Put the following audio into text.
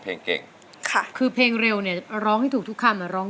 แฟนชาวบ้าน